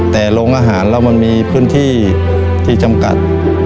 แต่โรงอาหารแล้วมันมีพื้นที่ที่จำกัด